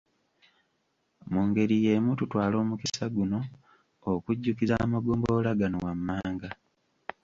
Mu ngeri y’emu tutwala omukisa guno okujjukiza amagombolola gano wammanga.